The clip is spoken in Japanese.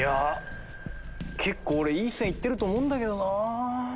結構俺いい線行ってると思うんだけどなぁ。